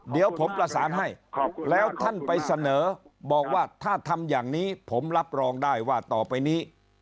เดี๋ยวผมประสานให้แล้วท่านไปเสนอบอกว่าถ้าทำอย่างนี้ผมรับรองได้ว่าต่อไปนี้